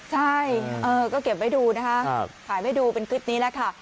ใช่ก็เก็บไว้ดูนะคะถ่ายไว้ดูเป็นคลิปนี้แหละค่ะ